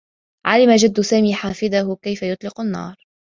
علّم جدّ سامي حفيده كيف يطلق النّار.